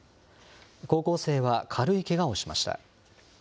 高校生は軽いけがをしました。